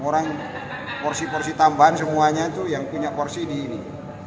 orang porsi porsi tambahan semuanya itu yang punya porsi di ini